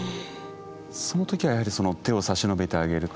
その時はやはり手を差し伸べてあげる。